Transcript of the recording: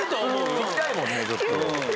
聞きたいもんねちょっと。